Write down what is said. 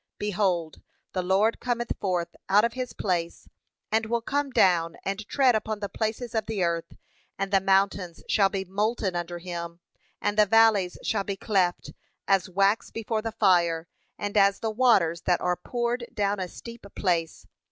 Behold the Lord cometh forth out of his place, and will come down and tread upon the places of the earth, and the mountains shall be molten under him, and the valleys shall be cleft, as wax before the fire, and as the waters that are poured down a steep place.